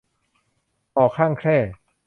หอกข้างแคร่